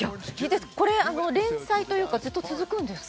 これ、連載というかずっと続くんですか？